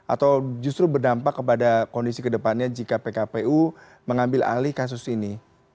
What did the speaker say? atau justru berdampak kepada kondisi kedepannya jika pkpu mengambil alih kasus ini